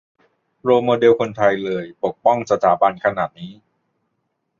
- โรลโมเดลคนไทยเลย ปกป้องสถาบันขนาดนี้